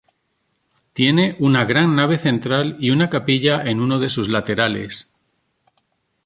Tiene una gran nave central y una capilla en uno de sus laterales.